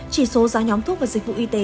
chỉ số giá nhóm thuốc và dịch vụ y tế